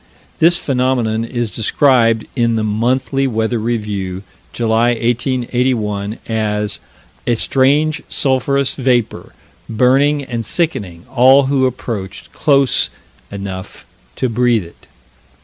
This phenomenon is described in the Monthly Weather Review, July, 1881, as "a strange sulphurous vapor ... burning and sickening all who approached close enough to breathe it."